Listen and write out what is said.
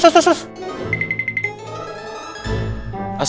ya cepet terus terus terus